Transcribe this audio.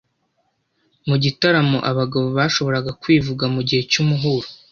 Mu gitaramo abagabo bashoboraga kwivuga mu gihe cy’umuhuro